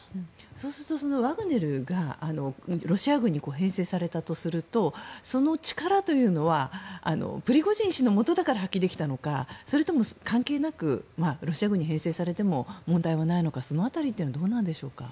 そうするとワグネルがロシア軍に編成されたとするとその力というのはプリゴジン氏のもとだから発揮できたのかそれとも関係なくロシア軍に編成されても問題はないのかその辺りはどうなんでしょうか。